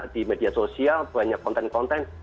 di media sosial banyak konten konten